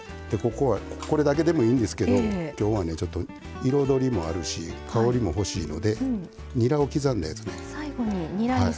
これだけでもいいんですけど今日は、ちょっと彩りもあるし香りもほしいのでにらを刻んだやつを。